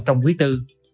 trong quý tư